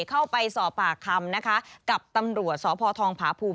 เข้าไปสอบปากคำกับตำรวจสภภาภูมิ